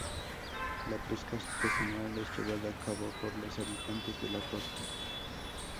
La pesca artesanal es llevada a cabo por los habitantes de la costa.